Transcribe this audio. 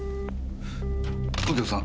右京さん。